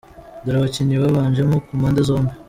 Dore abakinnyi babanjemo ku mpande zombi